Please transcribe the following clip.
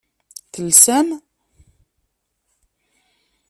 Telsam?